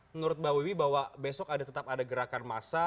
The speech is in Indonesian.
menurut mbak wiwi bahwa besok ada tetap ada gerakan massa